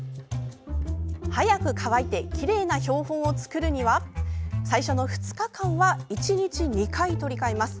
早く乾いてきれいな標本を作るには最初の２日間は１日２回、取り替えます。